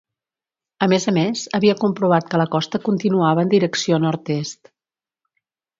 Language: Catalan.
A més a més, havia comprovat que la costa continuava en direcció nord-est.